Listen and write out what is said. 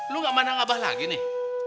lu gak mandang abah lagi nih